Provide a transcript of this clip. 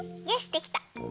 できた。